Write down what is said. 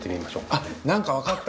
あっ何か分かった！